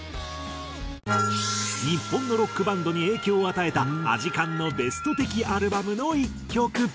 日本のロックバンドに影響を与えたアジカンのベスト的アルバムの１曲。